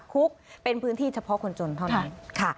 คุกเป็นพื้นที่เฉพาะคนจนเท่านั้นค่ะ